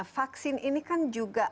vaksin ini kan juga